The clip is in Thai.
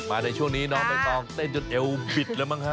มาในช่วงนี้น้องไม่คล้องเต้นจนเอวบิดนึงแม่งค่ะ